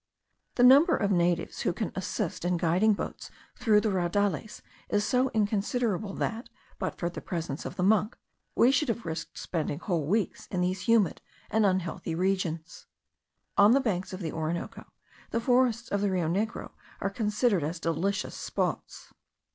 The number of natives who can assist in guiding boats through the Raudales is so inconsiderable that, but for the presence of the monk, we should have risked spending whole weeks in these humid and unhealthy regions. On the banks of the Orinoco, the forests of the Rio Negro are considered as delicious spots.